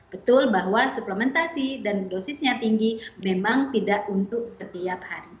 betul bahwa suplementasi dan dosisnya tinggi memang tidak untuk setiap hari